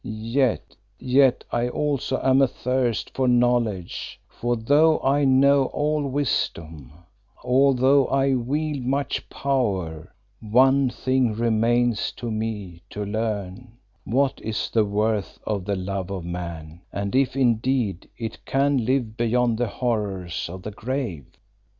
Yet, yet I also am athirst for knowledge; for though I know all wisdom, although I wield much power, one thing remains to me to learn what is the worth of the love of man, and if, indeed, it can live beyond the horrors of the grave?"